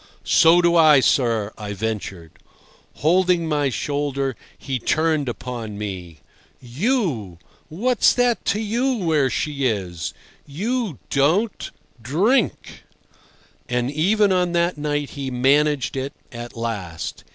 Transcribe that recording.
"So do I, sir," I ventured. Holding my shoulder, he turned upon me. "You! What's that to you where she is? You don't—drink." And even on that night he "managed it" at last.